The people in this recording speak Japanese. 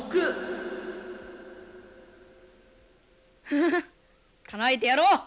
フフフかなえてやろう！